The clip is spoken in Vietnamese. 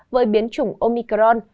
với biến chủng omicron